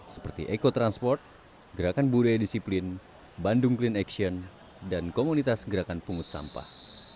seperti ekotransport gerakan budaya disiplin bandung clean action dan komunitas gerakan pungut sampah